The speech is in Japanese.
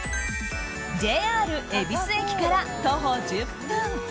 ＪＲ恵比寿駅から徒歩１０分。